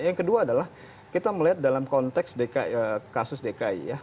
yang kedua adalah kita melihat dalam konteks kasus dki ya